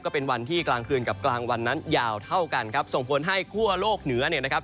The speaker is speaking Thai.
เป็นวันที่กลางคืนกับกลางวันนั้นยาวเท่ากันครับส่งผลให้คั่วโลกเหนือเนี่ยนะครับ